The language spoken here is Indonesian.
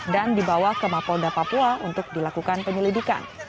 dan dibawa ke mapoda papua untuk dilakukan penyelidikan